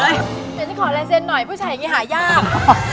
อยากจะขอลัยเซ็นต์หน่อยผู้ชายอย่างนี้หายาก